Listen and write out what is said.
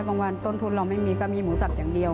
วันต้นทุนเราไม่มีก็มีหมูสับอย่างเดียว